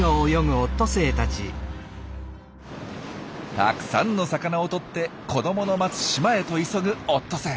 たくさんの魚をとって子どもの待つ島へと急ぐオットセイ。